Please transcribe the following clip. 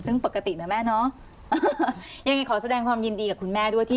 ซึ่งปกตินะแม่เนอะยังไงขอแสดงความยินดีกับคุณแม่ด้วยที่